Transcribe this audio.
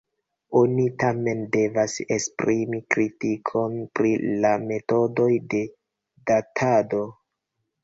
Oni, tamen, devas esprimi kritikon pri la metodoj de datado.